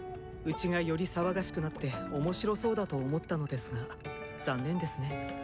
うちがより騒がしくなって面白そうだと思ったのですが残念ですね。